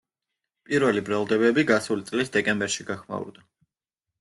პირველი ბრალდებები გასული წლის დეკემბერში გახმაურდა.